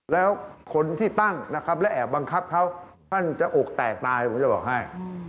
แล้วคนที่ตั้งนะครับและแอบบังคับเขาท่านจะอกแตกตายผมจะบอกให้